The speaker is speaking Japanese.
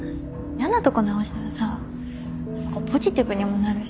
嫌なとこ直したらさポジティブにもなるしさ。